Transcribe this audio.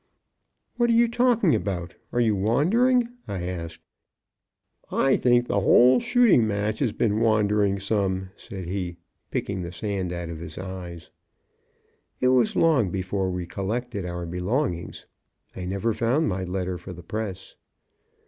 "What are you talking about? are you wandering?" I asked. "I think the whole shooting match has been wandering some," said he, picking the sand out of his eyes. It was long before we collected our belongings. I never found my letter for the press.